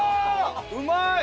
うまい！